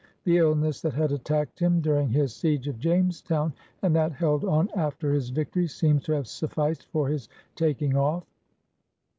The illness that had attacked him during his siege of Jamestown and that held on after his victory seems to have sufficed for his taking oflf